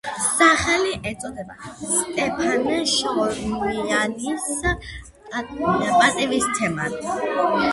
სახელი ეწოდა სტეფანე შაუმიანის პატივსაცემად.